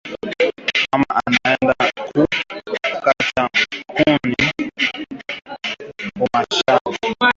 Mama anenda ku kata nkuni ku mashamba